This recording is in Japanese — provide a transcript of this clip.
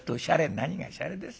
「何がしゃれです